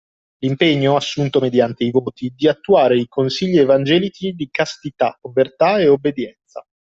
L'impegno, assunto mediante i voti, di attuare i consigli evangelici di castità, povertà e obbedienza